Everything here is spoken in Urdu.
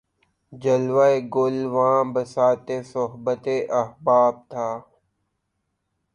جلوہٴ گل واں بساطِ صحبتِ احباب تھا